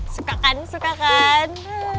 suka kan suka kan